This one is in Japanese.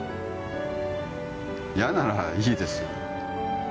嫌ならいいですよ